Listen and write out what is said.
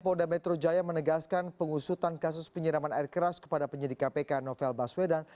polda metro jaya menegaskan pengusutan kasus penyiraman air keras kepada penyidik kpk novel baswedan